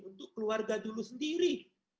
untuk keluarga dulu sendiri